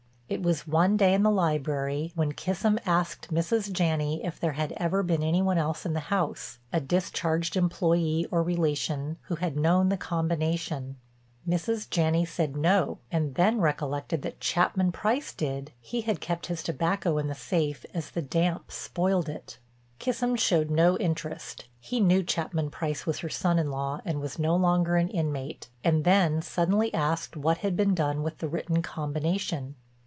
It was one day in the library when Kissam asked Mrs. Janney if there had ever been any one else in the house—a discharged employee or relation—who had known the combination. Mrs. Janney said no and then recollected that Chapman Price did, he had kept his tobacco in the safe as the damp spoiled it. Kissam showed no interest—he knew Chapman Price was her son in law and was no longer an inmate—and then suddenly asked what had been done with the written combination.